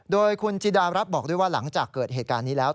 โดยคุณจิดารัฐบอกด้วยว่าหลังจากเกิดเหตุการณ์นี้แล้ว